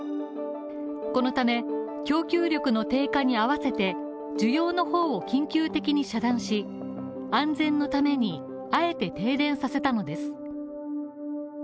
このため、供給力の低下に合わせて需要の方を緊急的に遮断し安全のために、あえて停電させたのです。